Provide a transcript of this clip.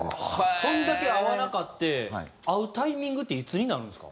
そんだけ会わなかって会うタイミングっていつになるんですか？